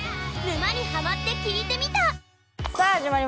「沼にハマってきいてみた」。